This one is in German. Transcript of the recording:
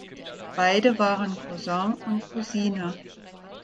Beide waren Cousin und Cousine.